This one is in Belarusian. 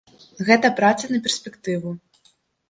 Гэта праца на перспектыву.